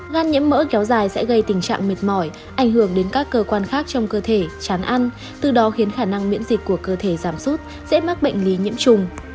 gan nhiễm mỡ kéo dài sẽ gây tình trạng mệt mỏi ảnh hưởng đến các cơ quan khác trong cơ thể chán ăn từ đó khiến khả năng miễn dịch của cơ thể giảm sút dễ mắc bệnh lý nhiễm trùng